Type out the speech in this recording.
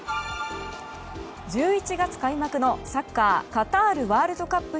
１１月開幕のサッカーカタールワールドカップ